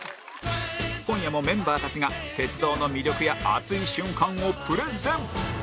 今夜もメンバーたちが鉄道の魅力や熱い瞬間をプレゼン